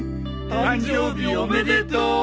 誕生日おめでとう！